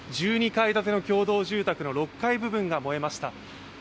１２階建ての共同住宅の６階部分が燃えました。